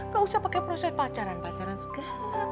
gak usah pakai proses pacaran pacaran segala